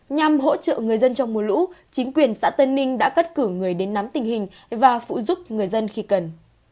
nhằm hỗ trợ người dân trong mùa lũ chính quyền xã tân ninh đã cắt cử người đến nắm tình hình và phụ giúp người dân khi cần